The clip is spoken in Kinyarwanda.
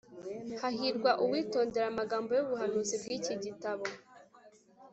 Hahirwa uwitondera amagambo y’ubuhanuzi bw’iki gitabo.”